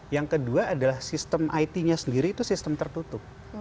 yang kedua adalah sistem it nya sendiri itu sistem tertutup